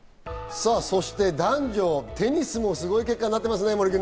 さあ、そして男女テニスもすごい結果になってますね、森君。